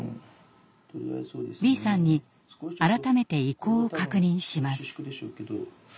Ｂさんに改めて意向を確認します。